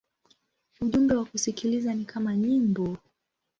Ujumbe wa kusikiliza ni kama nyimbo.